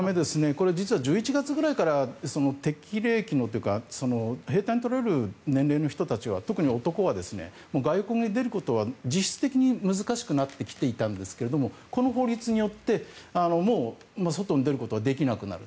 これ、実は１１月ぐらいから兵隊にとられる年齢の人たちは特に男は外国に出ることは実質的に難しくなってきていたんですけどこの法律によってもう外に出ることはできなくなる。